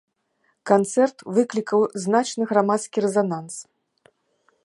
Канцэрт выклікаў значны грамадскі рэзананс.